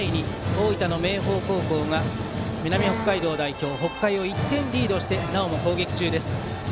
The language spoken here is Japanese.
大分の明豊高校が南北海道代表の北海を１点リードしてなおも攻撃中です。